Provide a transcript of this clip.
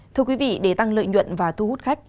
thưa quý vị để tăng lợi nhuận và thu hút khách